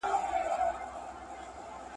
شیخه څنګه ستا د حورو کیسې واورم